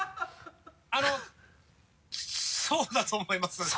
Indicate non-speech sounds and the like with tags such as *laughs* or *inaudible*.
あのそうだと思います *laughs*